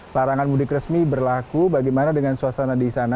larangan mudik resmi berlaku bagaimana dengan suasana di sana